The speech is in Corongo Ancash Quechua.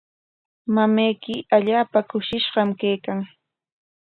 Mamayki allaapa kushishqam kaykan.